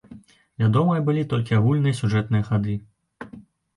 Вядомыя былі толькі агульныя сюжэтныя хады.